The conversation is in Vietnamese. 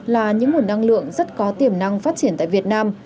là những nguồn năng lượng rất có tiềm năng phát triển tại việt nam